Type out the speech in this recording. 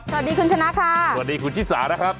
สวัสดีคุณชนะค่ะสวัสดีคุณชิสานะครับ